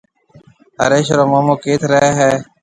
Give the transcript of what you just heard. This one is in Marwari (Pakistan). هريش رو مومو ڪيٿ رهيَ هيَ؟